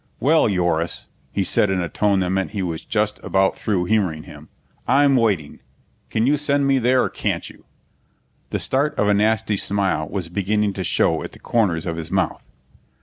"Well, Yoris," he said in a tone that meant he was just about through humoring him, "I'm waiting. Can you send me there or can't you?" The start of a nasty smile was beginning to show at the corners of his mouth.